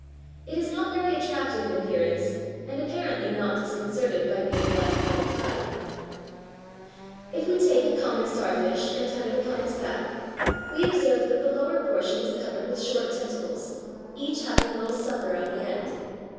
It is not very attractive in appearance, and apparently not disconcerted by being left by the tide. [Illustration: FIG. 50. A brittle starfish.] If we take a common starfish and turn it upon its back, we observe that the lower portion is covered with short tentacles, each having a little sucker on the end.